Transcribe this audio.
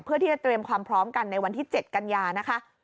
เพื่อที่จะเตรียมความพร้อมกันในวันที่๗กันยานะคะ